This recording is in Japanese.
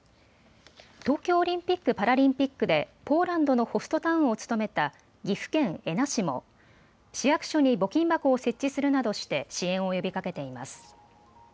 東京オリンピック・パラリンピックでポーランドのホストタウンを務めた岐阜県恵那市も市役所に募金箱を設置するなどして支援を呼びかけています。